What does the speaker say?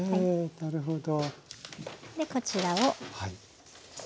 なるほど。